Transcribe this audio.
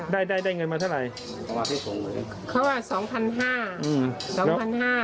ได้ได้ได้เงินมาเท่าไหร่เขาว่าสองพันห้าอืมสองพันห้า